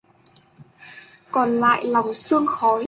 Còn lại lòng sương khói